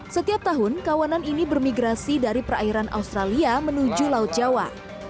setiap tahun kawanan ini bermigrasi dari perairan australia menuju laut jawa